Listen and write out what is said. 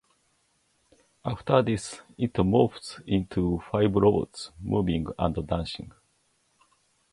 After this, it morphs into five robots moving and dancing.